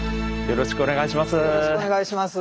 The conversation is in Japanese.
よろしくお願いします。